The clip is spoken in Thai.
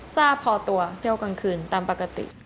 ทราบพอตัวเที่ยวกลางคืนตามปกติ